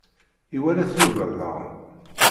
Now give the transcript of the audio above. Iwala-t Yuba, daɣen.